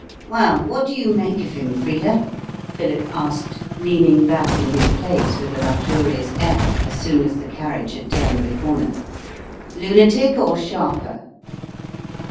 "Well, what do you make of him, Frida?" Philip asked, leaning back in his place, with a luxurious air, as soon as the carriage had turned the corner. "Lunatic or sharper?"